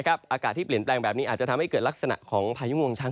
อากาศที่เปลี่ยนแปลงแบบนี้อาจจะทำให้เกิดลักษณะของพายุงวงชัน